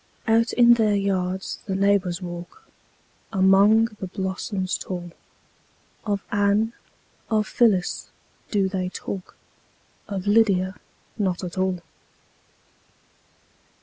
Out in their yards the neighbors walk, Among the blossoms tall; Of Anne, of Phyllis, do they talk, Of Lydia not at all.